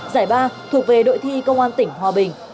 giải ba thuộc về đội thi công an tỉnh hòa bình